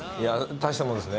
大したもんですね。